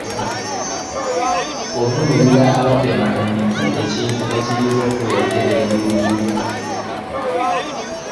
Avumirira abatema emiti ekintu ekiyinza okuleeta eddungu.